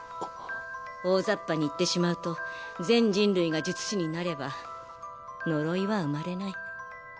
大ざっぱに言ってしまうと全人類が術師になれば呪いは生まれない。